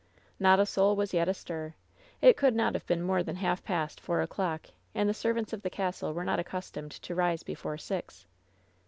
Not a soul was yet astir. It could not have been niore than half past four o'clock, and the servants of the castle were not accustomed to rise before six.